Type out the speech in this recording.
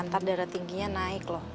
antar darah tingginya naik loh